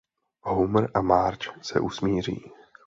Homer a Marge se usmíří.